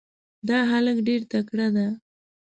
دا هلک ډېر تکړه ده.